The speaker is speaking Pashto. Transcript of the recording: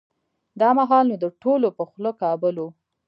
دا مهال نو د ټولو په خوله کابل و.